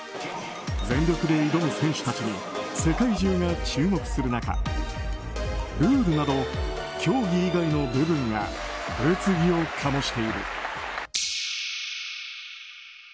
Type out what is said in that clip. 全力で挑む選手たちに世界中が注目する中ルールなど、競技以外の部分が物議を醸している。